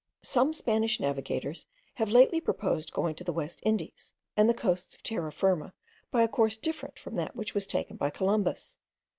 Some Spanish navigators have lately proposed going to the West Indies and the coasts of Terra Firma by a course different from that which was taken by Columbus.